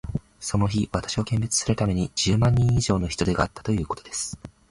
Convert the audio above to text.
その日、私を見物するために、十万人以上の人出があったということです。